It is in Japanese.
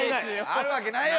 あるわけないよ。